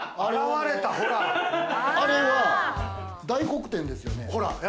あれは大黒天ですよね。